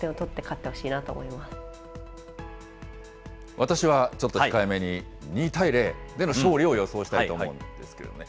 私はちょっと控えめに、２対０での勝利を予想したいと思うんですけれどもね。